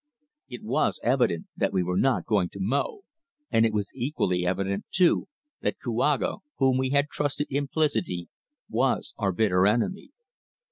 It was evident that we were not going to Mo, and it was equally evident too, that Kouaga, whom we had trusted implicitly, was our bitter enemy.